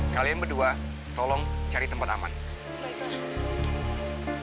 kalian berdua tolong cari tempat raksasa itu